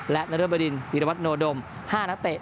และนรบดินวีรวัตโนดม๕นักเตะ